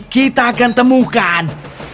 kita akan temukan